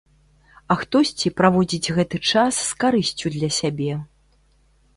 А хтосьці праводзіць гэты час з карысцю для сябе.